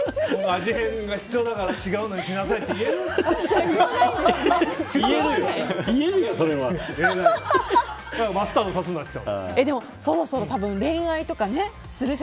味変が必要だから違うのにしなさいって言える？